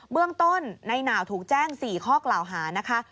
เบื้องต้นในหนาวถูกแจ้ง๔ข้อกล่าวหานะคะ